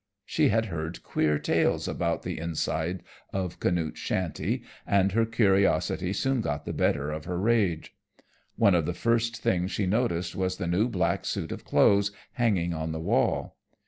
She had heard queer tales about the inside of Canute's shanty, and her curiosity soon got the better of her rage. One of the first things she noticed was the new black suit of clothes hanging on the wall.